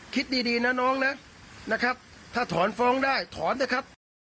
คิดดีนะน้องนะนะครับถ้าถอนฟ้องได้ถอนเถอะครับ